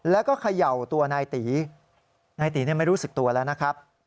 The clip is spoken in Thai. แล้วก็เขย่าตัวนายตีนายตีไม่รู้สึกตัวแล้วนะครับ